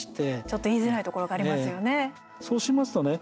ちょっと言いづらいところがありますよね。